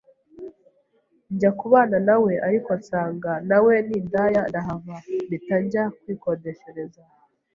njya kubana na we ariko nsanga na we ni indaya ndahava mpita njya kwikodeshereza